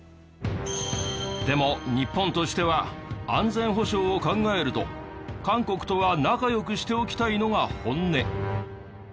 でも日本としては安全保障を考えると韓国とは仲良くしておきたいのが本音。